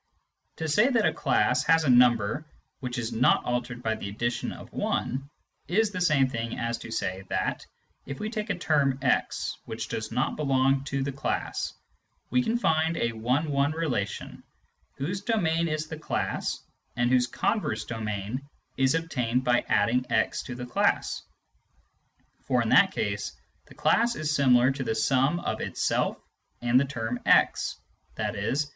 To say that a class has a number which is not altered by the addition of 1 is the same thing as to say that, if we take a term x which does not belong to the class, we can find a one one relation whose domain is the class and whose converse domain is obtained by adding x to the class. For in that case, the class is similar to the sum of itself and the term x, i.e.